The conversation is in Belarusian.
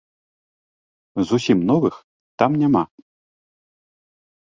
Зусім новых там няма.